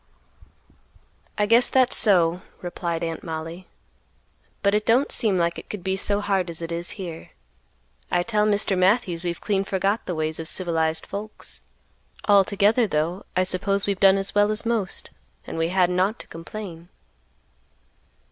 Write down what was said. "I guess that's so," replied Aunt Mollie, "but it don't seem like it could be so hard as it is here. I tell Mr. Matthews we've clean forgot the ways of civilized folks; altogether, though, I suppose we've done as well as most, and we hadn't ought to complain."